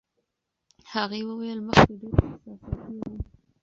هغې وویل، مخکې ډېره احساساتي وم.